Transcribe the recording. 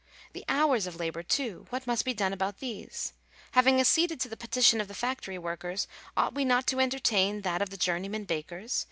The hours of labour too — what must be done about these? Having acceded to the petition of the factory workers, ought we not to entertain that of the journeymen bakers